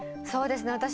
そうですね。